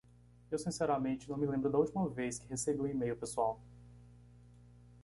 Eu sinceramente não me lembro da última vez que recebi um e-mail pessoal.